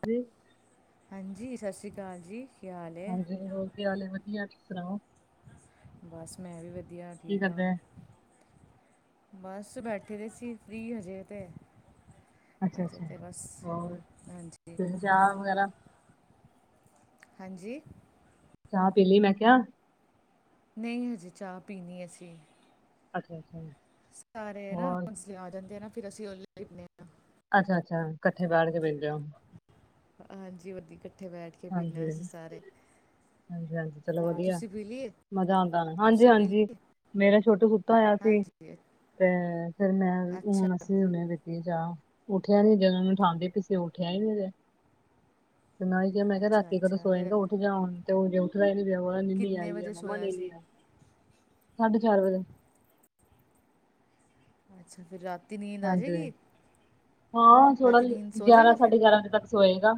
[unintelligible] ਹਾਂਜੀ ਸਸ ਸ੍ਰੀ ਕਾਲ ਜੀ। ਕੀ ਹਾਲ ਹੈ ਹਾਂਜੀ ਹੋਰ ਕੀ ਹਾਲ ਏ ਵਧੀਆ, ਤੁਸੀ ਸੁਣਾਓ। ਬਸ ਮੈਂ ਵੀ ਵਧੀਆ ਕੀ ਠੀਕ ਕਰਦੇ ਹਾਂ। ਐ? ਬਸ ਬੈਠੇ ਦੇ ਸੀ ਫ੍ਰੀ ਹਜੇ ਤੇ। ਅੱਛਾ ਅਜੇ ਅੱਛਾ। ਤੇ ਬਸ ਹੋਰ ਹਾਂਜੀ। ਤੁਸੀਂ ਚਾਹ ਵਗੈਰਾ ਹਾਂਜੀ, ਚ ਪੀਲੀ ਮੈਂ ਕਿਹਾ ਨਹੀਂ ਹਜੇ, ਚਾਹ ਪੀਣੀ ਅਸੀਂ ਅੱਛਾ ਅੱਛਾ। ਸਾਰੇ ਨਾ ਹੋਰ ਅ ਆ ਜਾਂਦੇ ਆ ਫ਼ਿਰ ਅਸੀਂ ਉਹ ਲਿਖਦੇ ਅੱਛਾ-ਅੱਛਾ ਕੱਠੇ ਬਹਿਠ ਕੇ ਵੇਖਦੇ ਓ। ਹਾਂਜੀ ਵਧੀ ਇਕੱਠੇ ਬੈਠ ਕੇ ਪੀਨਾ ਅਸੀਂ ਸਾਰੇ ਹਾਂਜੀ-ਹਾਂਜੀ ਚਲੋ ਹੋਰ ਵਧੀਆ ਤੁਸੀਂ ਪੀ ਲਈਏ ਮਜ਼ਾ ਆਉਂਦਾ ਤੁਸੀਂ ਪੀ ਹਾਂਜੀ-ਹਾਂਜੀ। ਲਈਏ ਮੇਰਾ ਛੋਟੇ ਸੁਤਾ ਹੋਇਆ ਸੀ, ਹਾਂਜੀ ਤੇ ਫਿਰ ਮੈਂ ਅੱਛਾ ਹੁਣ ਅਸੀਂ ਹੁਣੇ ਵਿੱਚ 'ਚ ਉੱਠਿਆ ਨੀ ਜਦੋਂ ਉਹਨੂੰ ਠਾਂਦੇ ਪੇ ਉੱਠਿਆ ਹੀ ਨਹੀਂ ਅਜੇ ਤੇ ਨਾ ਈ। ਮੈਂ ਕਿਹਾ ਅੱਛਾ ਰਾਤੀ ਕਦੋਂ ਅੱਛਾ ਸੋਏ ਫਿਰ ਦਾ ਉੱਠ ਜਾਣ ਹੁਣ ਤੇ ਜੇ ਉੱਠਦਾ ਹੀ ਨੀ ਮੰਮਾ ਨੀਨੀ ਕਿੰਨੇ ਆਈ ਆ ਵਜੇ ਮੰਮਾ ਸੋਇਆ ਨੀਨੀ ਸੀ ਆਈ ਸਾਢੇ ਚਾਰ ਵਜੇ ਅੱਛਾ ਫਿਰ ਰਾਤ ਹਾਂਜੀ, ਹਾਂ ਥੋੜਾ ਰਾਤੀ ਨੀਂਦ ਸੋ ਗਿਆਰਾਂ ਜਾਏਗਾ ਫਿਰ ਸਾਢੇ ਗਿਆਰਾਂ ਵਜੇ ਤੱਕ ਸੋਏਗਾ।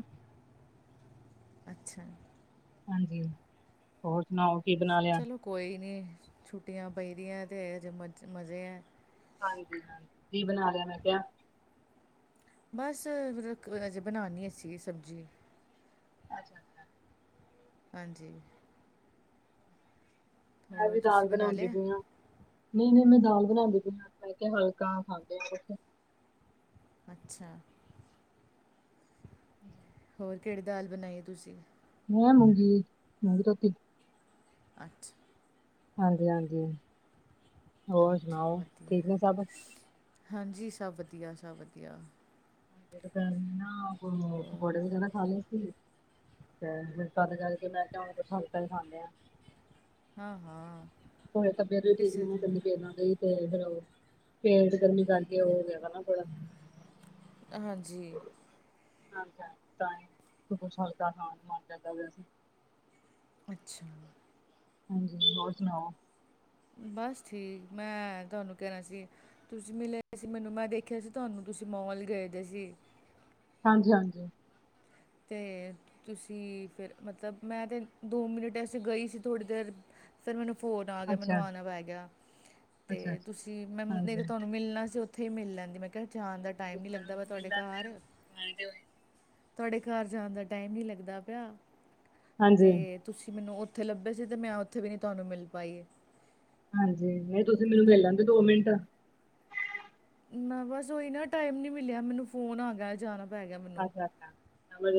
ਅੱਛਾ, ਹਾਂਜੀ ਹੋਰ ਸੁਣਾਓ ਕੀ ਬਣਾ ਲਿਆ? ਚਲੋ ਕੋਈ ਨਹੀਂ ਛੁੱਟੀਆਂ ਪਈ ਦੀਆਂ ਅਤੇ ਅਜੇ ਮਜ਼ੇ ਐ। ਹਾਂਜੀ-ਹਾਂਜੀ ਕੀ ਬਣਾ ਰਿਹਾ ਮੈਂ ਕਿਹਾ। ਬਸ ਅਜੇ ਬਣਾਣੀ ਅਸੀ ਸਬਜ਼ੀ ਅੱਛਾ-ਅੱਛਾ, ਹਾਂਜੀ, ਮੈਂ ਹੋਰ ਵੀ ਤੁਸੀਂ ਦਾਲ ਬਣਾ ਬਣਾਉਂਦੀ ਲਿਆ ਪਈ ਆਂ। ਨਹੀਂ-ਨਹੀਂ ਮੈਂ ਦਾਲ ਬਣਾਉਂਦੀ ਪਈ, ਮੈ ਕਿਹਾ ਹਲਕਾ ਖਾਂਦੇ ਆ। ਅੱਛਾ, [inaudible] ਹੋਰ ਕਿਹੜੀ ਦਾਲ ਬਣਾਈ ਤੁਸੀਂ? ਮੈਂ ਮੂੰਗੀ ਮ ਧੋਤੀ ਅੱਛਾ, ਹਾਂਜੀ, ਹਾਂਜੀ। ਹੋਰ ਅੱਛਾ ਸੁਣਾਓ, ਵਧੀਆ ਠੀਕ ਨੇ ਸਭ? ਹਾਂਜੀ, ਸਭ ਵਧੀਆ। ਸਭ ਵਧੀਆ। [unintelligible] ਹੋਰ ਪਕੋੜੇ ਵਗੈਰਾ ਖਾਲੇ ਸੀ। ਤੇ ਤਦ ਕਰਕੇ ਮੈਂ ਕਹਯਾ ਹੁਨ ਕੁਛ ਹਲਕਾ ਹੀ ਖਾਣੇ ਆ। ਹਾਂ, ਹਾਂ। ਹੋਰ ਤਬੀਅਤ ਵੀ ਠੀਕ ਕਿਸੇ ਨੀ ਦਿਨ ਚਲਦੀ ਪਈ ਏ ਨਾ ਜੀ। ਫੇਰ ਬਣਾਓ ਫੇਰ ਗਰਮੀ ਕਰਕੇ ਉਹ ਗਿਆ ਨਾ ਥੋੜਾ ਹਾਂਜੀ। ਅੱਛਾ ਤਾਹਿ ਕੁਛ ਹਲਕਾ ਖਣ ਦਾ ਦਿਲ ਕਰਦਾ ਪਿਆਸੀ ਅੱਛਾ। ਹਾਂਜੀ, ਹੋਰ ਸੁਣਾਓ। ਬਸ ਠੀਕ, ਮੈਂ ਤੁਹਾਨੂੰ ਕਹਿਣਾ ਸੀ। ਤੁਸੀਂ ਮਿਲਿਆ ਸੀ ਮੈਨੂੰ ਮੈਂ ਦੇਖਿਆ ਸੀ, ਤੁਹਾਨੂੰ ਤੁਸੀਂ ਮੋਲ ਗਏ ਦੇ ਸੀ। ਹਾਂਜੀ-ਹਾਂਜੀ, ਅਤੇ ਤੁਸੀਂ ਫਿਰ ਮਤਲਬ, ਮੈਂ ਤਾਂ ਦੋ ਮਿੰਟ ਵਸੇ ਗਈ ਸੀ ਥੋੜ੍ਹੀ ਦੇਰ ਫਿਰ ਮੈਨੂੰ ਫੋਨ ਆ ਗਿਆ ਅੱਛਾ ਮੈਨੂੰ ਆਉਣਾ ਪੈ ਗਿਆ, ਅੱਛਾ ਤੇ ਅੱਛਾ ਤੁਸੀਂ ਮੈਂ ਨਹੀਂ ਤਾਂ ਹਾਂਜੀ ਤੁਹਾਨੂੰ ਮਿਲਣਾ ਸੀ। ਉੱਥੇ ਹੀ ਮਿਲਣ ਦੀ ਮੈਂ ਕਿਹਾ ਜਾਣ ਦਾ ਟਾਈਮ ਨੀ ਤੁਸੀਂ ਮੈਨੂੰ ਲੱਗਦਾ, ਵਾ ਮਿਲ ਤੁਹਾਡੇ ਲੈਂਦੇ ਘਰ [inaudible] ਤੁਵਾਡੇ ਘਾਰ ਜਾਣ ਦਾ ਟਾਈਮ ਨਹੀਂ ਲੱਗਦਾ ਪਿਆ। ਤੇ ਹਾਂਜੀ ਤੁਸੀਂ ਮੈਨੂੰ ਉੱਥੇ ਲੱਭੇ ਸੀ, ਤੇ ਮੈਂ ਉੱਥੇ ਵੀ ਨਹੀਂ ਤੁਹਾਨੂੰ ਮਿਲ ਪਾਈ। ਹਾਂਜੀ, ਨਹੀਂ ਤੁਸੀਂ ਮੈਨੂੰ ਮਿਲ ਲੈਂਦੇ, ਦੋ ਮਿੰਟ। ਮੈਂ ਬਸ ਉਹੀ ਨਾ, ਟਾਈਮ ਨੀ ਮਿਲਿਆ। ਮੈਨੂੰ ਫੋਨ ਆ ਗਿਆ, ਜਾਣਾ ਪੈ ਗਿਆ ਮੈਨੂੰ। ਅੱਛਾ ਅੱਛਾ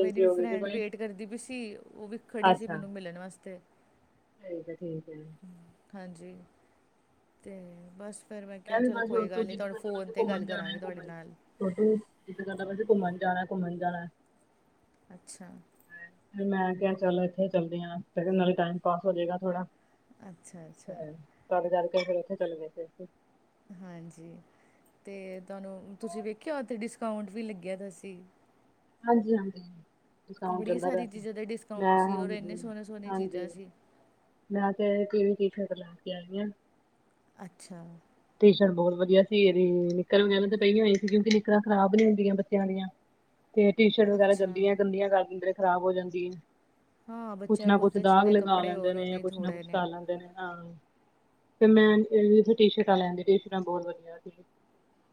ਮੇਰੀ ਵੀ ਹੋ ਗਈ ਸੀ ਫਰੈਂਡ ਕੋਈ ਵੇਟ ਕਰਦੀ ਵੀ ਸੀ। ਉਹ ਵੀ ਖੜੀ ਸੀ ਅੱਛਾ ਮੈਨੂੰ ਮਿਲਣ ਵਾਸਤੇ। ਠੀਕ ਆ, ਠੀਕ ਹੈ। ਹਾਂਜੀ, ਅਤੇ ਬਸ। ਫਿਰ ਮੈਂ ਕਿਹਾ, ਵੀ ਚਲੋ ਬਸ ਕੋਈ ਛੋਟੂ ਗੱਲ ਨਹੀਂ, ਜਿੱਦ ਤੁਹਾਨੂੰ ਕਰਦਾ ਪਿਆ ਫੋਨ ਸੀ 'ਤੇ ਗੱਲ ਘੁੰਮਣ ਜਾਣਾ ਕਰਾਂਗੀ ਤੁਹਾਡੇ ਘੁੰਮਣ ਨਾਲ। ਛੋਟੂ ਜਿੱਥੇ ਕਹਦਾਂ ਘੁੰਮਣ ਜਾਣਾ, ਘੁੰਮਣ ਜਾਣਾ। ਅੱਛਾ। ਮੈਂ ਕਿਹਾ ਚੱਲ ਇੱਥੇ ਚੱਲਦੀ ਆ, ਤੇ ਨਾਲੇ ਟਾਈਮ ਪਾਸ ਹੋਜਏਗਾ ਥੋੜਾ। ਅੱਛਾ [inaudible] ਅੱਛਾ ਕਲ ਜਦ ਕੇ ਫਰ ਓਥੇ ਚਲੇ ਗਏ ਸੀ। ਹਾਂਜੀ। ਤੇ ਤੁਹਾਨੂੰ ਤੁਸੀਂ ਵੇਖਿਆ, ਓਥੇ ਡਿਸਕਾਊਂਟ ਵੀ ਲੱਗਿਆ ਦਾ ਸੀ। ਹਾਂਜੀ, ਹਾਂਜੀ। ਸਾਊਂਡ ਬੜੀਆਂ ਚੱਲਦਾ ਸਾਰੀ ਚੀਜ਼ਾਂ 'ਤੇ ਪਿਆ ਡਿਸਕਾਊਂਟ ਸੀ ਔਰ ਇੰਨੇ ਹਾਂਜੀ ਸੋਹਣੇ ਸੋਹਣੇ ਹਾਂਜੀ ਚੀਜ਼ਾਂ ਸੀ ਮੈਂ ਕਿਹਾ ਕਿ ਵੀ ਕੀ ਲਾ ਕੇ ਆਈ ਆ ਅੱਛਾ। ਟਿਸ਼ਟ ਬੋਤ ਵਦੀਆ ਸੀ ਏਦੀ, ਨਿੱਕਰ ਵਗੈਰਾ ਤੇ ਪਈਆਂ ਹੋਈ ਸੀ, ਕਯੋਂਕਿ ਨਿਕਰਾਂ ਖਰਾਬ ਨੀ ਹੁੰਦੀਆਂ ਬੱਚੇਆਂ ਦੀਆਂ। ਤੇ ਟੀ-ਸ਼ਰਟ ਵਗੈਰਾ ਅੱਛਾ ਜਲਦੀਆਂ ਗੰਦੀਆਂ ਕਰ ਦਂਦੇ, ਖ਼ਰਾਬ ਹੋ ਜਾਂਦੀ। ਹਾਂ ਕੁਛ ਬੱਚਿਆਂ ਨਾ ਕੋਲ ਕੁਛ ਤਾਂ ਦਾਗ ਜਿੰਨੇ ਲਗਾ ਕੱਪੜੇ ਲੈਂਦੇ ਹੋਣ ਨੇ, ਓਨੇ ਹੀ ਕੁਛ ਨਾ ਥੋੜ੍ਹੇ ਕੁਛ ਕਰ ਲੈਂਦੇ ਨੇ, ਹਾਂ। ਤੇ ਮੈਂ ਇਹਵੀੇ ਟੀ ਸ਼ਰਟਾਂ ਲੈਂਦੀ। ਟੀ-ਸ਼ਰਟਾਂ ਬਹੁਤ ਵਧਆ ਸੀ।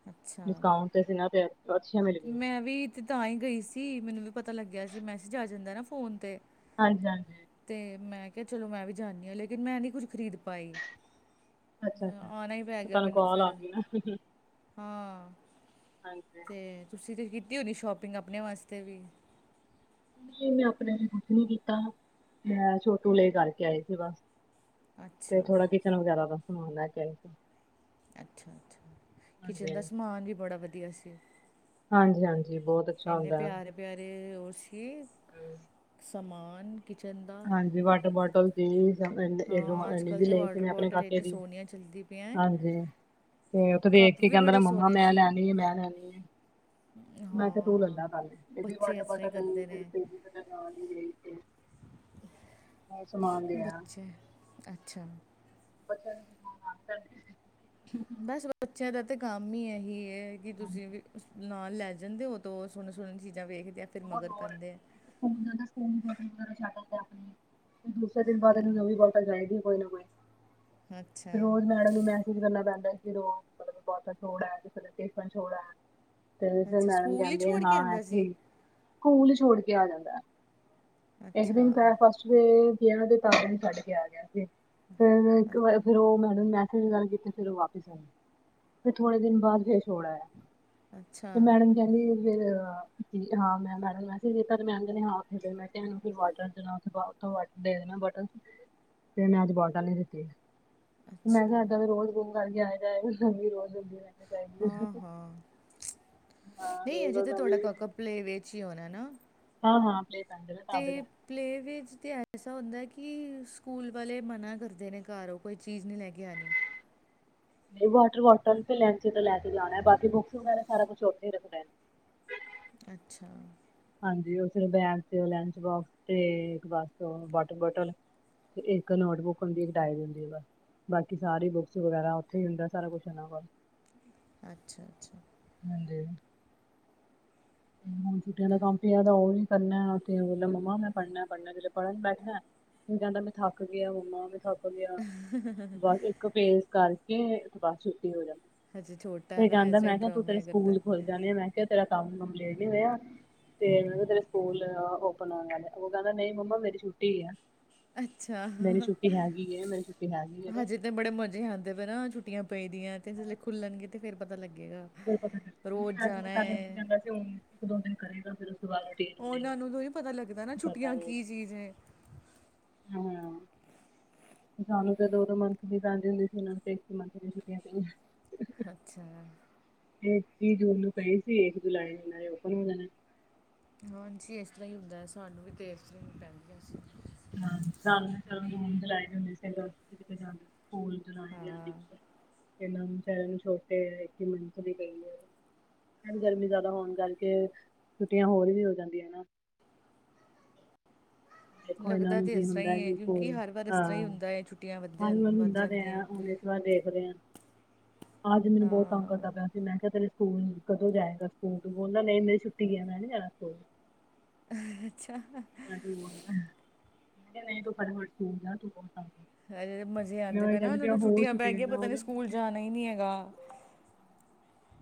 ਅੱਛਾ ਡਿਸਕਾਊਂਟ ਤੇ ਸੀ ਨਾ, ਤੇ ਅੱਛੀਆਂ ਮਿਲ ਗਈਆਂ ਮੈਂ ਵੀ ਇਥੇ ਤਾਂ ਆ ਹੀ ਗਈ ਸੀ। ਮੈਨੂੰ ਵੀ ਪਤਾ ਲੱਗਿਆ ਸੀ, ਮੈਸੇਜ ਆ ਜਾਂਦਾ ਨਾ ਫੋਨ ਤੇ। ਹਾਂਜੀ, ਹਾਂਜੀ। ਅਤੇ ਮੈਂ ਕਿਹਾ, ਚਲੋ ਮੈਂ ਵੀ ਜਾਂਦੀ ਹਾਂ। ਲੇਕਿਨ ਮੈਂ ਨਹੀਂ ਕੁਝ ਖਰੀਦ ਪਾਈ। ਅੱਛਾ ਅੱਛਾ ਆਉਣਾ ਹੀ ਪੈ ਗਿਆ ਤੁਹਾਨੂੰ ਮੈਨੂੰ ਕਾਲ ਆ ਫਿਰ। ਗਈ ਨਾ ਹਾਂ, ਹਾਂਜੀ ਅਤੇ ਤੁਸੀਂ ਤਾਂ ਕੀਤੀ ਹੋਣੀ ਸ਼ੋਪਿੰਗ ਆਪਣੇ ਵਾਸਤੇ ਵੀ। ਨਹੀਂ, ਮੈਂ ਆਪਣੇ ਲਈ ਕੁਛ ਨੀ ਕੀਤਾ ਮੈਂ ਛੋਟੂ ਲੀ ਕਰਕੇ ਆਏ ਸੀ ਬਸ। ਤੇ ਅੱਛਾ ਥੋੜਾ ਕਿਚਨ ਵਗੈਰਾ ਦਾ ਸਮਾਨ ਲੈ ਕੇ ਆੲ। ਅੱਛਾ, ਅੱਛਾ। ਕਿਚਨ ਹਾਂਜੀ ਦਾ ਸਮਾਨ ਵੀ ਬੜਾ ਵਧੀਆ ਸੀ ਹਾਂਜੀ, ਹਾਂਜੀ। ਬਹੁਤ। ਅੱਛਾ ਏਨੇ ਹੁੰਦਾ ਪਆਰੇ, ਪਆਰੇ ਓਸੀ ਹੈ ਸਮਾਨ ਕਿਚਨ ਦਾ। ਹਾਂਜੀ ਵਾਟਰ ਬੋਟਲ। ਦੋਂ ਹਾਂ ਅੱਜ ਵੀ ਕੱਲ੍ਹ ਤਾਂ ਲਏ ਸੀ ਵਾਟਰ ਨੇ ਆਪਣੇ ਬੋਟਲ ਕਾਕੇੇ ਇੰਨੀ ਦੀ ਸੋਹਣੀਆਂ ਚਲਦੀ ਪਈਆਂ ਹੈ ਹਾਂਜੀ। ਤੇ ਉੱਥੇ ਵੇਖ ਕੱਪ ਕੇ ਵੀ ਕਹਿੰਦਾ ਰਿਹਾ ਬੜੇ ਮੰਮਾ ਸੋਹਣੇ ਮੈਂ ਸੀ ਲੈਣੀ ਏ ਮੈਂ ਲੈਣੀ ਏ। ਮੈਂ ਤੇ ਤੂੰ ਹਾਂ ਲੇਲਾ ਪਹਿਲੇ ਇਹ ਦੀ ਬੱਚੇ ਵਾਟਰ ਇਸ ਤਰ੍ਹਾਂ ਹੀ ਬੋਤਲ ਕਰਦੇ ਨੇ ਸਮਾਨ ਦੀ, ਬੱਚੇ ਅੱਛਾ, [inaudible] ਬਸ ਬੱਚਿਆਂ ਦਾ ਤਾਂ ਕੰਮ ਈ ਇਹੀ ਹੈ, ਕਿ ਹੈ। ਤੁਸੀਂ ਵੀ ਨਾਲ ਲੈ ਜਾ ਜਾਂਦੇ ਉਹ ਤੋਂ ਉਹ ਸੋਹਣੇ-ਸੋਹਣੀ ਚੀਜ਼ਾਂ ਵੇਖਦੇ ਆ ਫਿਰ ਮਗਰ ਪੈਂਦੇ ਆ। ਸਕ ਸਕੋ ਬੋਟਲ ਵਗੈਰਾ ਆਪਣੇ [inaudible] ਦੂਸਰੇ ਦਿਨ ਬਾਅਦ ਇਹਨੂੰ ਨਵੀਂ ਬਲਤ ਚਾਹੀਦੀ, ਕੋਈ ਨਾ ਕੋਈ ਅੱਛਾ ਰੋਜ਼ ਮੈਡਮ ਨੂੰ ਮੈ [unintelligible] ਤੇ ਫੇਰ ਅੱਛਾ ਮੈਡਮ ਸਕੂਲ ਹੀ ਕਹਿੰਦੇ ਆ, ਛੋੜ ਕੇ ਹਾਂ ਆਂਦਾ ਇਥੇ ਸੀ ਈ। ਕੂਲ ਛੋੜ ਕੇ ਆ ਜਾਂਦਾ ਹੈ। ਇੱਕ ਦਿਨ ਅੱਛਾ ਫ ਫਸਟ।, ਫਿਰ ਵਿਆਹ ਦੇ ਕਾਰਨ ਛੱਡ ਕੇ ਆ ਗਿਆ ਸੀ। ਫਿਰ ਇੱਕ ਵਾਰ ਫੇਰ ਉਹ ਮੈਡਮ ਗੱਲ ਕੀਤੀ ਫਿਰ ਉਹ ਵਾਪਿਸ ਆਈ, ਫਿਰ ਥੋੜੇ ਦਿਨ ਬਾਅਦ ਫੇਰ ਛੋੜ ਆਇਆ। ਤੇ ਅੱਛਾ ਮੈਡਮ ਕਹਿੰਦੀ ਫੇਰ ਹਾਂ ਮੈਂ ਮੈਡਮ ਨੂੰ ਮੈਸੇਜ ਕੀਤਾ ਤੇ ਮੈਮ ਕਹਿੰਦੇ ਹਾ ਮੈਂ ਕਿਆ ਐਨੂੰ ਵਾਟਰ ਦੇ ਦੈਣਾ ਬੋਤਲ ਤੇ ਮੈਂ ਅੱਜ ਬੋਟਲ ਨੀ ਦਿੱਤੀ। ਮੈਂ ਅੱਛਾ ਕਿਹਾ ਐਦਾ ਫਿਰ ਰੋਜ਼ ਗੁੰਮ ਕਰਕੇ ਆਏ ਜਾਏ ਗਾ ਸ਼ਾਮੀ ਰੋਜ਼ ਅੱਗੇ ਹਾਂ ਹਾਂ ਹਾਂ ਨਹੀ ਰੋਜ਼ ਅਜੇ ਰੋਜ਼ ਤੇ ਤੁਹਾਡਾ ਕਾਕਾ ਪਲੇ ਵੇ ਚ ਹੀ ਹੋਣਾ ਨਾ। ਹਾ ਹਾ ਪਲੇਵੇ ਤੇ ਪਲੇ ਵੇਜ ਤੇ ਐਸਾ ਹੁੰਦਾ ਕਿ ਸਕੂਲ ਵਾਲੇ ਮਨਾ ਕਰਦੇ ਨੇ ਘਰੋਂ ਕੋਈ ਚੀਜ਼ ਨਹੀ ਲੈ ਕੇ ਆਣੀ। ਵਾਟਰ ਬੋਟਲ ਤੇ ਲੈਂਚ ਤੇ ਲੈ ਕੇ ਜਾਣਾ ਏ ਬਾਕੀ ਬੁੱਕਸ ਵਗੈਰਾ ਸਾਰਾ ਕੁਛ ਉਥੇ ਹੀ ਰੱਖਨਾ। ਅੱਛਾ ਹਾਂਜੀ ਉਸੇ ਬੈਗ ਤੇ ਲੰਚ ਬੋਕਸ ਤੇ ਬਸ ਵਾਟਰ ਬੋਟਲ। ਤੇ ਇੱਕ ਨੋਟਬੁੱਕ ਹੁੰਦੀ ਇੱਕ ਡਾਇਰੀ ਹੁੰਦੀ ਹੈ ਬਸ। ਬਾਕੀ ਸਾਰੇ ਬੁੱਕਸ ਵਗੈਰਾ ਉੱਥੇ ਹੀ ਹੁੰਦਾ ਸਾਰਾ ਕੁਛ ਐਨਾ ਦਾ। ਅੱਛਾ ਅੱਛਾ। ਹਾਂਜੀ ਤੇ ਹੁਣ ਛੁੱਟੀਆਂ ਦਾ ਕੰਮ ਪਇਆ ਉਹ ਵੀ ਕਰਨਾ ਓਥੇ ਬੋਲਦਾ ਮੰਮਾ ਮੈਂ ਪੜਨਾ ਪੜਨਾ ਜਦੋ ਪੜ੍ਹਨ ਬੈਠਦਾ ਫੇਰ ਕਹਿੰਦਾ ਮੈਂ ਥੱਕ ਗਿਆ ਮੰਮਾ ਮੈਂ ਥੱਕ ਗਿਆ। ਬਸ ਇੱਕ ਪੈਜ਼ ਕਰਕੇ ਬਸ ਛੁੱਟੀ ਹੋ ਜਾਂਦੀ ਹਜੇ ਛੋਟਾ ਹੈ ਤੇ ਨਾ ਕਹਿੰਦਾ ਐਸਾ ਹੀ ਮੈਂ ਕਿਹਾ ਤੂੰ ਤੇਰੇ ਡਰਾਮੇ ਕਰਤਾ ਸਕੂਲ ਹੈ ਖੁੱਲ ਜਾਣੇ ਆ ਮੈਂ ਕਿਹਾ ਤੇਰਾ ਕੰਮ ਕੰਪਲੀਟ ਨੀ ਹੋਇਆ। ਤੇ ਤੇਰੇ ਸਕੂਲ ਓਪਨ ਉਹ ਕਹਿੰਦਾ ਨਹੀਂ ਮੰਮਾ ਮੇਰੀ ਛੁੱਟੀ ਈ ਆ। ਅੱਛਾ ਮੇਰੀ ਛੁੱਟੀ ਹੈਗੀ ਮੇਰੀ ਛੁੱਟੀ ਹੈਗੀ। ਹਜੇ ਤੇ ਬੜੇ ਮਜੇ ਆਦੇ ਪਏ ਨਾ ਛੁੱਟੀਆਂ ਪਈਦੀਆਂ ਤੇ ਜਿਲ੍ਹੇ ਖੁੱਲਣਗੇ ਤੇ ਫੇਰ ਪਤਾ ਲੱਗੇਗਾ। ਫੇਰ ਪਤਾ ਰੋਜ਼ ਲਗੇਗਾ। ਹਜੇ ਜਾਣਾ ਤਾ ਪਹਿਲੇ ਹੈ। ਕਹਿੰਦਾ ਸੀ ਹੁਣ ਇੱਕ ਦੋ ਦਿਨ ਕਰੇਗਾ ਫਿਰ ਉਸ ਤੋ ਬਾਅਦ ਰੂਟੀਨ ਹੋ ਉਹਨਾਂ ਜਾਏਗੀ ਨੂੰ ਉਦੋ ਨੀ ਪਤਾ ਲੱਗਦਾ ਨਾ ਕਰਦਾ ਛੁੱਟੀਆਂ ਰਹੇਗਾ ਕੀ ਚੀਜ਼ ਐ। ਹਾਂ ਸਾਨੂੰ ਤੇ ਦੋ ਦੋ ਮੰਥ ਦੀ ਪੈਂਦੀ ਹੁੰਦੀ ਸੀ ਉਹਨਾਂ ਨੂੰ ਤੇ ਇੱਕ ਮੰਥ ਦੀ ਛੁੱਟੀਆਂ ਪਈਆਂ। ਅੱਛਾ। ਇਹ ਤੀ ਜੂਨ ਨੂੰ ਪਈ ਸੀ ਇੱਕ ਜੁਲਾਈ ਨਾਲ ਓਪਨ ਹੋ ਜਾਣਾ ਏ। ਹਾਂਜੀ ਇਸ ਤਰ੍ਹਾਂ ਹੀ ਹੁੰਦਾ ਸਾਨੂੰ ਵੀ ਤੇ ਇਸ ਤਰ੍ਹਾਂ ਹੀ ਪੈਂਦੀਆਂ ਸੀ। ਹਾਂ ਸਨ ਚਲ ਜੂਨ ਜੁਲਾਈ ਚ ਹੁੰਦੀ ਸੀ। ਸਕੂਲ ਹਾਂ ਇਹਨਾਂ ਨੂੰ ਵਿਚਾਰੇ ਛੋਟੇ ਇੱਕ ਹੀ ਮੰਥ ਦੀ ਪਈ ਹੈ। ਫੇਰ ਗਰਮੀ ਜ਼ਿਆਦਾ ਹੋਣ ਕਰਕੇ ਛੁੱਟੀਆਂ ਹੋਰ ਵੀ ਹੋ ਜਾਂਦੀਆਂ ਨੇਂ ਨਾ। ਦੇਖੋ ਇਹਨਾਂ ਲੱਗਦਾ ਨੂੰ ਤਾਂ ਕੀ ਇਸ ਤਰ੍ਹਾਂ ਹੁੰਦਾ ਹੀ ਹੈ ਕਿ ਕਿਉਂਕਿ ਸਕੂਲ ਹਰ ਵਾਰ ਇਸ ਤਰ੍ਹਾਂ ਹੀ ਹਾਂ ਹੁੰਦਾ ਹੈ ਛੁੱਟੀਆਂ ਵੱਧਣ ਸਾਨੂੰ ਵੱਧ ਹੁੰਦਾ ਤੇ ਜਾਂਦੀਆਂ। ਹੈ ਉਹਦੇ ਦੇਖਦੇ ਹਾਂ ਅੱਜ ਮੈਨੂੰ ਬਹੁਤ ਤੰਗ ਹਾਂ ਕਰਦਾ ਪਿਆ ਸੀ ਮੈਂ ਕਿਹਾ ਤੇਰੇ ਸਕੂਲ ਕਦੋਂ ਜਾਏਗਾ ਸਕੂਲ ਤੋਂ ਬੋਲਦਾ ਨਹੀਂ ਛੁੱਟੀ ਐ। ਮੈ ਨਹੀ ਜਾਣਾ ਸਕੂਲ ਅੱਛਾ। ਮੈਂ ਕਿਹਾ ਨਹੀਂ ਤੂੰ ਫੜਫਟ ਤੂ ਜਾ ਤੂੰ [inaudible] ਹਾਏ ਮਜ਼ੇ ਮੈਂ ਆਉਂਦੇ ਉਹੀ ਪੈ ਨਾ ਕਹਿੰਦੀ ਉਹਨਾਂ ਪਈ ਆ ਨੂੰ ਹੋਰ ਛੁੱਟੀਆਂ ਪੈ ਗਈ ਨਾ ਪਤਾ ਹੋ ਨੀ ਜਾਣ ਸਕੂਲ ਕਿਤੇ, ਜਾਣਾ ਹੀ ਨੀ ਹੈਗਾ।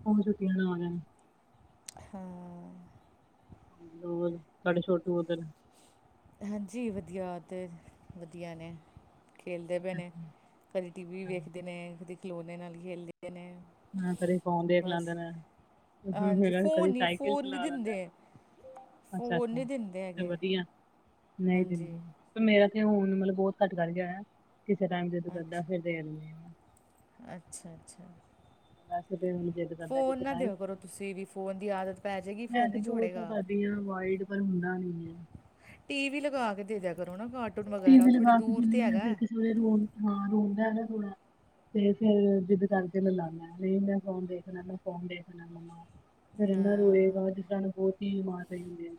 ਹੋਰ ਛੁੱਟੀਆਂ ਕਰ ਦੇਣ। ਹਾਂ ਤੁਹਾਡੇ ਛੋਟੂ ਉੱਧਰ ਹਾਂਜੀ ਵਧੀਆ ਉਹ ਤੇ ਵਧੀਆ ਨੇ। ਖੇਲਦੇ ਪਏ ਨੇ ਕਦੇ ਟੀ ਵੀ ਵੇਖਦੇ ਨੇ ਕਦੇ ਖਲੋਨੇ ਨਾਲ ਖੇਲਦੇ ਨੇ। ਹਾਂ ਕਦੇ ਫੋਨ ਦੇਖ ਬਸ ਲੈਂਦੇ ਨੇ ਹਾਂਜੀ ਮੇਰਾ ਫੋਨ ਕਦੀ ਨ ਸਾਈਕਲ ਫੋਨ ਨਹੀਂ ਚਲਾ ਲੈਂਦਾ ਦਿੰਦੇ। ਅੱਛਾ ਫੋਨ ਅੱਛਾ ਨਹੀਂ ਦਿੰਦੇ ਤੇ ਹੈਗੇ। ਵਧੀਆ ਨਹੀਂ ਹਾਂਜੀ ਦਿੰਦੇ ਪਰ ਮੇਰਾ ਤੇ ਹੁਣ ਮਤਲਬ ਬਹੁਤ ਘੱਟ ਕਰ ਗਿਆ ਹੈਂ ਕਿਸੇ ਟਾਈਮ ਜ਼ਿਦ ਕਰਦਾ ਅੱਛਾ ਫਿਰ ਦੇ ਦਿੰਣੇ ਆ। ਅੱਛਾ ਅੱਛਾ। ਵੈਸੇ ਤੇ ਹੁਣ ਜਿੱਦ ਕਰਦਾ ਫੋਨ ਕਿਸੇ ਨਾ ਟਾਈਮ ਦਿਓ ਕਰੋ ਤੁਸੀਂ ਵੀ ਫੋਨ ਦੀ ਆਦਤ ਪੈਜੇਗੀ ਫੇਰ ਨੀ ਛੋੜੇਗਾ। ਵਾਈਡ ਪਰ ਹੁੰਦਾ ਨੀ ਹੈ। ਟੀ ਵੀ ਲਗਾ ਕੇ ਦੇ ਦਿਆ ਕਰੋ ਨਾ ਕਾਰਟੂਨ ਵਗੈਰਾ ਥੋੜ੍ਹੀ ਦੂਰ ਤਾਂ ਹੈਗਾ ਰ ਹਾਂ ਰੋਣ ਲੈ ਨਾ ਥੋੜਾ ਤੇ ਫੇਿਰ ਜਿੱਦ ਕਰਕੇ ਲਲਾ ਲਾ ਮੈਂ ਫੋਨ ਦੇਖ ਲ ਮੈਂ ਫੋਨ ਦੇਖਣਾ ਮਾ ਫਿਰ ਇਹਨਾਂ ਰੋਏਗਾ ਜ ਹਾਂ ਸਾਨੂੰ ਬਹੁਤ ਕੀ ਮਾਰ ਰਹੇ ਹੁੰਦੇ ਇ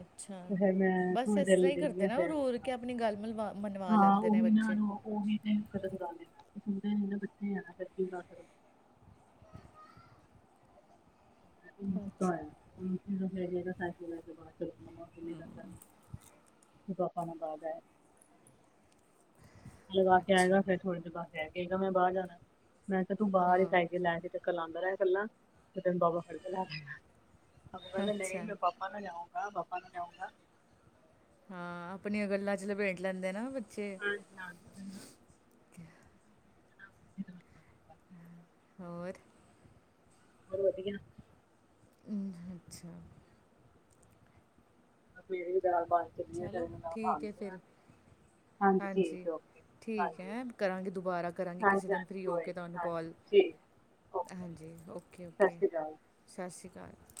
ਅੱਛਾ ਤੇ ਫਿਰ ਮੈਂ ਬਸ ਥੋੜੇ ਇਸ ਦਿਲ ਤਰ੍ਹਾਂ ਹੀ ਦਿੰਦੀ ਕਰਦੇ ਆ ਨਾ ਉਹ ਫਿਰ ਰੋ ਰੋ ਕੇ ਆਪਣੀ ਗੱਲ ਮਲਵਾ ਮਨਵਾ ਹਾਂ ਲੈਂਦੇ ਉਹ ਨੇ ਵੀ ਇਹਨਾਂ ਬੱਚੇ ਨੂੰ ਉਹੀ ਨਾ ਫਿਰ ਕਰਕੇ ਦੇਣਾ ਪੈਂਦਾ ਬੱਚੇ ਹ ਨਾ। ਸਕਦੇ ਹੁਣ ਸੁੱਤਾ ਪੰਜ ਮਿੰਟ ਬਾਅਦ ਹਮ ਪਾਪਾ ਨੂੰ ਸ਼ਿਕਾਇਤਾਂ ਲਗਾ ਕੇ ਅੱਛਾ ਆਏਗਾ ਫਰ ਥੋੜੀ ਦੇਰ ਬਾਅਦ ਫਿਰ ਕਹੇਗਾ ਮੈਂ ਬਾਹਰ ਜਾਣਾ ਮੈਂ ਕਿਹਾ ਤੂੰ ਬਾਹਰ ਹੀ ਹਾਂ ਸਾਈਕਲ ਲੈ ਕੇ ਚੱਕਰ ਲਾਉਂਦਾ ਰਹਾ ਇਕੱਲਾ। ਬਾਬਾ ਫੜ ਕੇ ਲਿਆ ਜਾਊਗਾ ਕਹਿੰਦਾ ਨਹੀਂ ਅੱਛਾ ਮੈਂ ਪਾਪਾ ਨਾ ਜਾਉਂਗਾ ਪਾਪਾ ਨਾ ਜਾਊਂਗਾ। ਹਾਂ ਆਪਣੀਆਂ ਗੱਲਾਂ ਚ ਲਪੇਟ ਲੈਂਦੇ ਨਾ ਬੱਚੇ ਹਾਂਜੀ ਹਾਂਜੀ ਹੋਰ ਹੋਰ ਵਧੀਆ ਹਮ ਅੱਛਾ ਮੇਰੀ ਵੀ ਦਾਲ ਬਣ ਗਈ ਚਲੋ ਠੀਕ ਹੈ ਹ ਫਿਰ ਹਾਂਜੀ ਠੀਕ ਓ ਠੀਕ ਹਾਂਜੀ ਹੈ ਕਰਾਂਗੇ ਦੁਬਾਰਾ ਕਰਾਂਗੇ ਕਿਸੇ ਹਾਂਜੀ ਦਿਨ ਹਾਂਜੀ ਫ੍ਰੀ ਹੋ ਕੋਈ ਕੇ ਨ ਤੁਹਾਨੂੰ ਹ ਕਾਲ ਜੀ ਹਾਂਜੀ ਓਕੇ ਓਕੇ ਅਕਾਲ ਸਤਿ ਸ਼੍ਰੀ ਅਕਾਲ